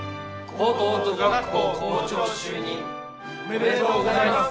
高等女学校校長就任おめでとうございます。